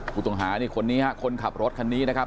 ผู้ต้องหานี่คนนี้ฮะคนขับรถคันนี้นะครับ